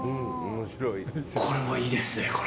これもいいですね。